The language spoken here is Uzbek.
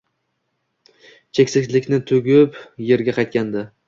Cheksizlikni tuyub, yerga qaytganda